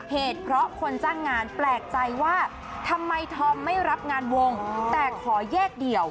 เหตุเพราะคนจ้างงานแปลกใจว่าทำไมธอมไม่รับงานวงแต่ขอแยกเดี่ยว